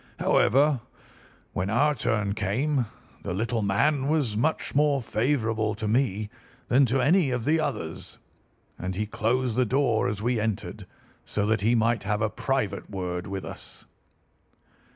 However, when our turn came the little man was much more favourable to me than to any of the others, and he closed the door as we entered, so that he might have a private word with us.